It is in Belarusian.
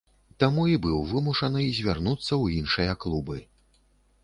Таму і быў вымушаны звярнуцца ў іншыя клубы.